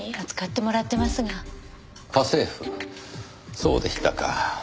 そうでしたか。